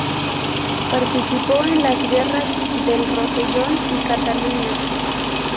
Participó en las guerras del Rosellón y Cataluña.